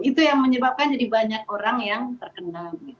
itu yang menyebabkan jadi banyak orang yang terkena